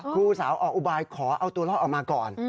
ครูสาวออกอุบายขอเอาตัวรอดออกมาก่อน